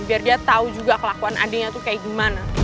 biar dia tahu juga kelakuan adiknya tuh kayak gimana